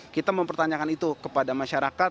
kita mempertanyakan itu kepada masyarakat